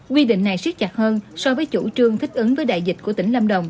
quy định này siết chặt hơn so với chủ trương thích ứng với đại dịch của tỉnh lâm đồng